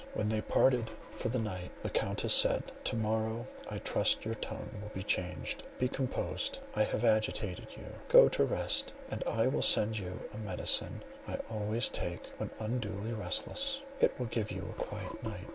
When they parted for the night, the Countess said, "To morrow I trust your tone will be changed: be composed; I have agitated you; go to rest; and I will send you a medicine I always take when unduly restless—it will give you a quiet night."